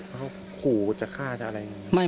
เขาขอว่าจะฆ่าจะอะไร